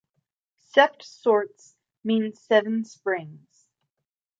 Sept Sorts means seven springs.